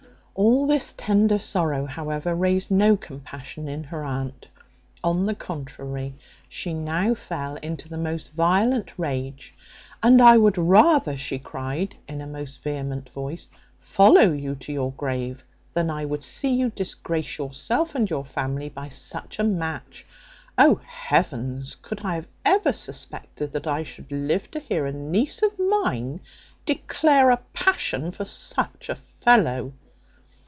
All this tender sorrow, however, raised no compassion in her aunt. On the contrary, she now fell into the most violent rage. "And I would rather," she cried, in a most vehement voice, "follow you to your grave, than I would see you disgrace yourself and your family by such a match. O Heavens! could I have ever suspected that I should live to hear a niece of mine declare a passion for such a fellow?